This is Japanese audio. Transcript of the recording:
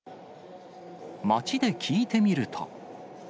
街で聞いてみると。